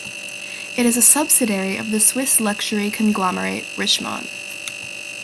It is a subsidiary of the Swiss luxury conglomerate Richemont.